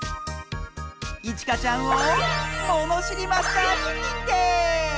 いちかちゃんをものしりマスターににんてい！